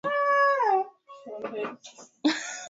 alikuwa mchezaji bora mfaransa mara tatu